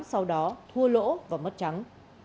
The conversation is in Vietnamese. sau đó thua lỗ và mất trắng